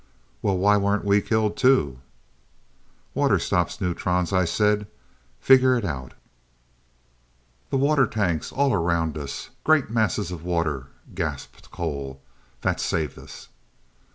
"Well, why weren't we killed too?" "'Water stops neutrons,' I said. Figure it out." "The rocket water tanks all around us! Great masses of water " gasped Cole. "That saved us?"